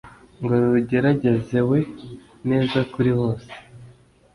ngo rugeragezewe neza kuri bose